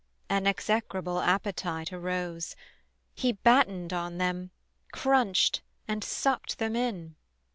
An execrable appetite arose, He battened on them, crunched, and sucked them in.